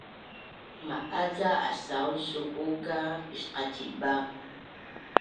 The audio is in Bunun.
Ma’az ca asaun su’u ka pisqacibang?